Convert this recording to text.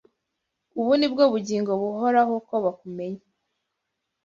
Ubu ni bwo bugingo buhoraho, ko bakumenya